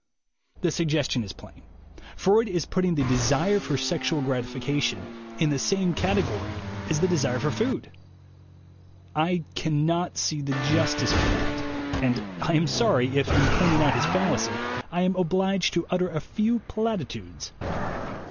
The suggestion is plain. Freud is putting the de sire for sexual gratification in the same category as the desire for food. I cannot see the justice for that ; and I am sorry, if, in pointing out his fallacy, I am obliged to utter a few platitudes.